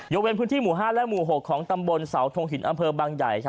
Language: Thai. เว้นพื้นที่หมู่๕และหมู่๖ของตำบลเสาทงหินอำเภอบางใหญ่